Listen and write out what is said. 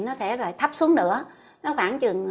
nó sẽ lại thấp xuống nữa